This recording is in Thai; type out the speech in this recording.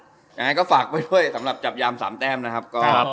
อย่างนั้นก็ฝากไปด้วยสำหรับจับยำสั่งแป๊มนะครับ